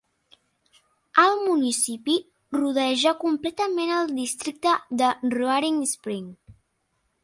El municipi rodeja completament el districte de Roaring Spring.